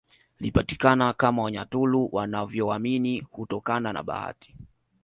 Lipatikana kama Wanyaturu wanaovyoamini hutokana na bahati